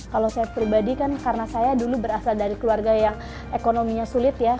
kalau saya pribadi kan karena saya dulu berasal dari keluarga yang ekonominya sulit ya